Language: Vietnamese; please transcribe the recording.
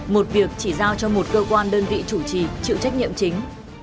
một việc chỉ giao cho một cơ quan đơn vị chủ trì chịu trách nhiệm chính